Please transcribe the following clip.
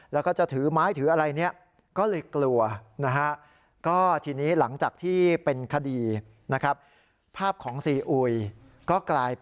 แล้วก็จะถือไม้ถืออะไรเนี่ยก็เลยกลัวนะฮะ